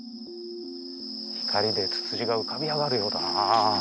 光でつつじが浮かび上がるようだなぁ。